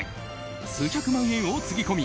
数百万円をつぎ込み